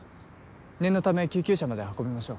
念のため救急車まで運びましょう。